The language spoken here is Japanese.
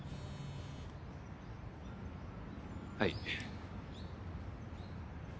はい。